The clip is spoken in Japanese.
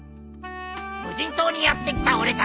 無人島にやって来た俺たち。